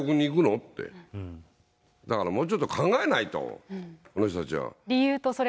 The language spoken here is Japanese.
だからもうちょっと考えないと、この人たちは。